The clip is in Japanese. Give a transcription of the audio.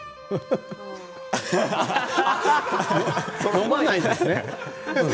飲まないんですね。